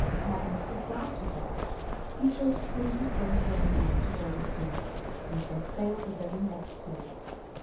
Cadmus was glad to go. He chose twenty brave young men to go with him, and set sail the very next day.